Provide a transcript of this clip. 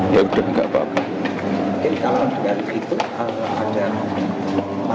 ya udah nggak apa apa